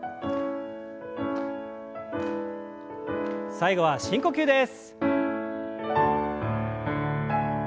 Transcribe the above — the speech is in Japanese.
最後は深呼吸です。